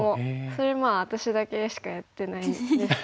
それ私だけしかやってないんですけど。